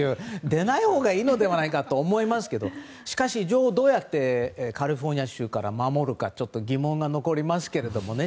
出ないほうがいいのではないかと思いますけどしかし女王をどうやってカリフォルニア州から守るかちょっと疑問が残りますけどね。